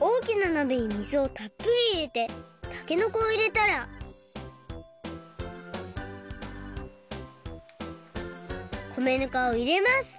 大きななべに水をたっぷりいれてたけのこをいれたら米ぬかをいれます